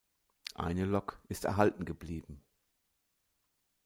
Eine Lok ist erhalten geblieben.